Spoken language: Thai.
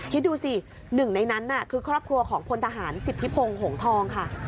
คิดดูสิหนึ่งในนั้นคือครอบครัวของพลทหารสิทธิพงศ์หงทองค่ะ